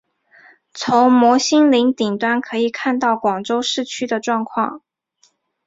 从摩星岭顶端可以看到广州市区的状况。